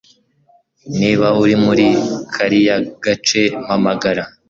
Niba uri muri kariya gace, mpamagara.